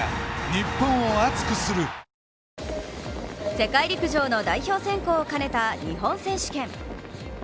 世界陸上の代表選考を兼ねた日本選手権。